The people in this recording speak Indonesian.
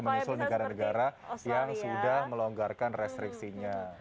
supaya bisa menusul negara negara yang sudah melonggarkan restriksinya